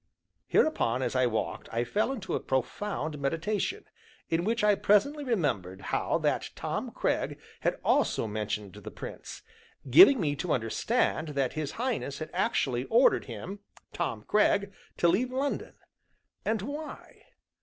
Hereupon, as I walked, I fell into a profound meditation, in which I presently remembered how that Tom Cragg had also mentioned the Prince, giving me to understand that his Highness had actually ordered him (Tom Cragg) to leave London; and why?